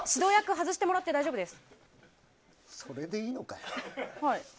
外してもらって大丈夫です。